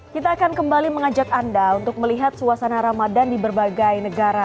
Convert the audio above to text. kita akan kembali mengajak anda untuk melihat suasana ramadan di berbagai negara